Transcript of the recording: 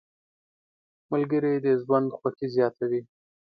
ملګري د ژوند خوښي زیاته وي.